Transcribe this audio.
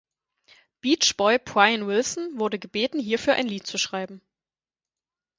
Beach Boy Brian Wilson wurde gebeten hierfür ein Lied zu schreiben.